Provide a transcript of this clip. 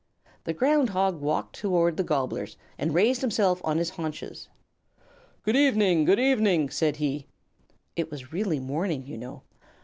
The Ground Hog walked toward the Gobblers, and raised himself on his haunches. "Good evening, good evening," said he (it was really morning, you know).